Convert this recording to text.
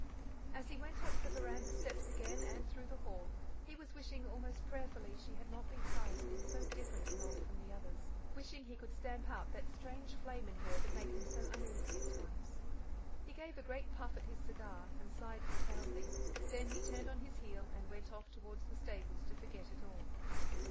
As he went up the veranda steps again and through the hall, he was wishing almost prayerfully she had not been cast in so different a mould from the others, wishing he could stamp out that strange flame in her that made him so uneasy at times. He gave a great puff at his cigar, and sighed profoundly; then he turned on his heel and went off toward the stables to forget it all.